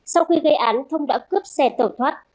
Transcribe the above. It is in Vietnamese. sau khi gây án thông đã cướp xe tẩu thoát